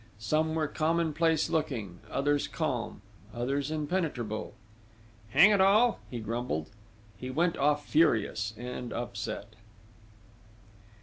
Some were common place looking, others calm, others impenetrable: "Hang it all," he grumbled. He went off furious and upset.